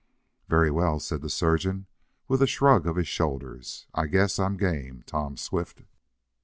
"Very well," said the surgeon with a shrug of his shoulders, "I guess I'm game, Tom Swift."